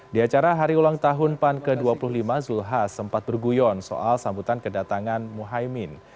di acara hari ulang tahun panke dua puluh lima zulhas sempat berguyon soal sambutan kedatangan mohaimin